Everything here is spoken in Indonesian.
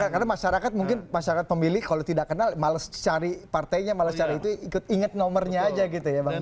karena masyarakat mungkin masyarakat pemilih kalau tidak kenal males cari partainya males cari itu inget nomornya aja gitu ya bang basar